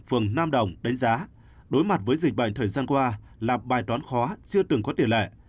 phường nam đồng đánh giá đối mặt với dịch bệnh thời gian qua là bài toán khó chưa từng có tiền lệ